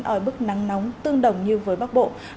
oi bức nắng nóng tương đồng như với bắc bộ